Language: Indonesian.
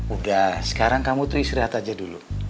udah sekarang kamu tuh istirahat aja dulu